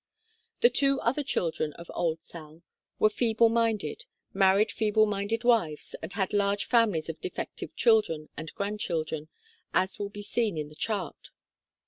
The two other children of Old Sal were feeble minded, married feeble minded wives, and had large families of defective chil dren and grandchildren, as will be seen in the chart.